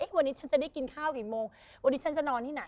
คือหุ้นยังไงกับเช้าเจ้า